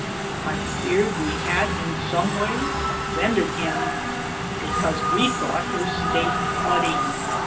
I feared we had in some way offended him because we thought his state muddy.